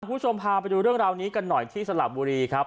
คุณผู้ชมพาไปดูเรื่องราวนี้กันหน่อยที่สลับบุรีครับ